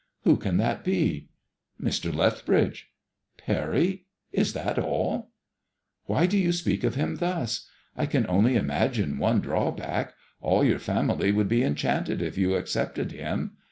•• Who can that be ?•* Mr. Lethbridge." " Parry I Is that all ?" "Why do you speak of him thus? I can only imagine one drawback. All your family would be enchanted if you accepted him.